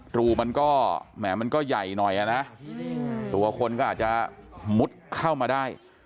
รูมันก็แหมมันก็ใหญ่หน่อยนะตัวคนก็อาจจะมุดเข้ามาได้